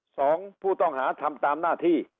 สองผู้ต้องหาทำตามหน้าที่